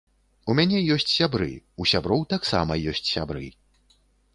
У мяне ёсць сябры, у сяброў таксама ёсць сябры.